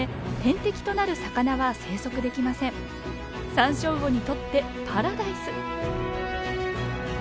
サンショウウオにとってパラダイス。